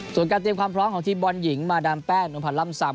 ส่วนการเตรียมความพร้อมของทีมบอลหญิงมาดามแป้งนวพันธ์ล่ำซำ